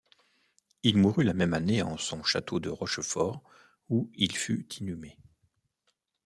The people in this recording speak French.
Il mourut la même année en son château de Rochefort où il fut inhumé.